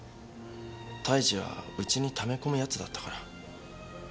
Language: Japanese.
泰次は内にため込むやつだったから。